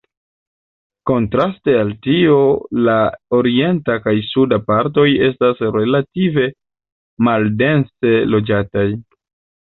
Kontraste al tio la orienta kaj suda partoj estas relative maldense loĝataj.